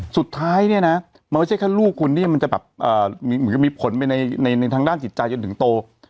สุดท้ายเนี่ยนะมันไม่ใช่แค่ลูกคุณที่มันจะแบบเหมือนกับมีผลไปในทางด้านจิตใจจนถึงโต